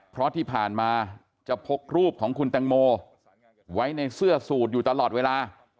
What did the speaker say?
เพราะที่ผ่านมาจะพกรูปของคุณแตงโมไว้ในเสื้อสูตรอยู่ตลอดเวลา